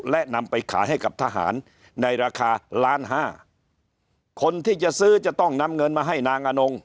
และนำไปขายให้กับทหารในราคาล้านห้าคนที่จะซื้อจะต้องนำเงินมาให้นางอนง